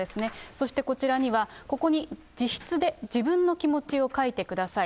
そしてこちらには、ここに自筆で、自分の気持ちを書いてください。